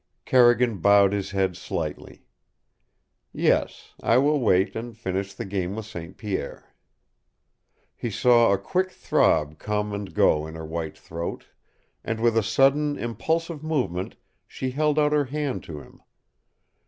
Carrigan bowed his head slightly. "Yes, I will wait and finish the game with St. Pierre." He saw a quick throb come and go in her white throat, and with a sudden, impulsive movement she held out her hand to him.